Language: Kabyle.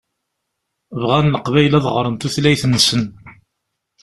Bɣan Leqbayel ad ɣṛen s tutlayt-nsen.